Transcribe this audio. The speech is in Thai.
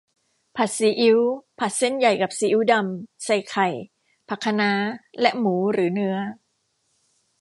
ผัดซีอิ๊ว ผัดเส้นใหญ่กับซีอิ๊วดำ ใส่ไข่ ผักคะน้า และหมูหรือเนื้อ